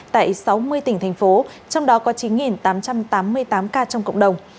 tại sáu mươi tỉnh thành phố trong đó có chín tám trăm tám mươi tám ca trong cộng đồng